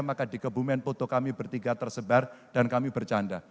maka di kebumen foto kami bertiga tersebar dan kami bercanda